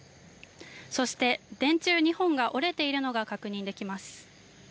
そして電柱２本が折れているのが確認できます。